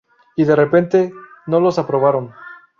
Y de repente no los aprobaron.